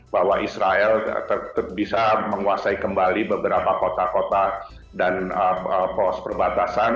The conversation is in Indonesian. bahwa israel bisa menguasai kembali beberapa kota kota dan pos perbatasan